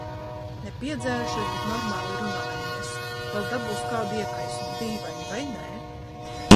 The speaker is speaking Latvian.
Ne piedzērušies, bet normāli runājamies. Vēl dabūs kādu iekaisumu. Dīvaini vai nē.